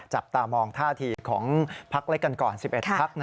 จับตามองท่าทีของพักเล็กกันก่อน๑๑พัก